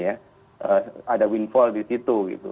ada windfall di situ gitu